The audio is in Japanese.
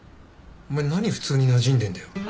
お前何普通になじんでんだよ。